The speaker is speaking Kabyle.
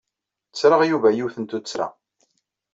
Ttreɣ Yuba yiwet n tuttra.